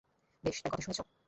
বেশ, তার কথা শুনেছ!